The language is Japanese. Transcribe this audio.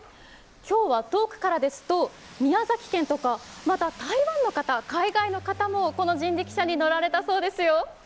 今日は遠くからですと、宮崎県とか、また台湾の方、海外の方もこの人力車に乗られたそうですよ。